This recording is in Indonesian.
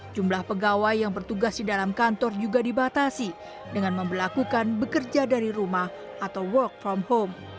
jumlah pegawai yang bertugas di dalam kantor juga dibatasi dengan membelakukan bekerja dari rumah atau work from home